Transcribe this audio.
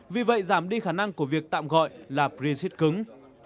vì vậy giảm đi khả năng của việc tạm gọi là brexit cứng